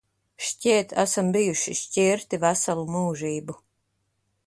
Šķiet, esam bijuši šķirti veselu mūžību.